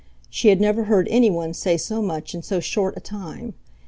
She had never heard any one say so much in so short a time.